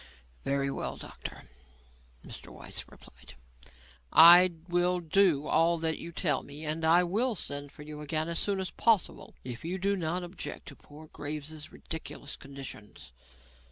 "Very well, doctor," Mr. Weiss replied, "I will do all that you tell me and I will send for you again as soon as possible, if you do not object to poor Graves's ridiculous conditions.